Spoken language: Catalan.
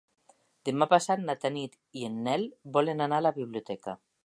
Demà passat na Tanit i en Nel volen anar a la biblioteca.